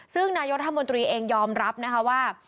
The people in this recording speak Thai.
ซึ่งนายธรรมดุรีเองยอมรับว่า